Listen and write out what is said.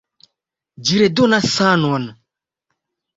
Ĝi redonas sanon!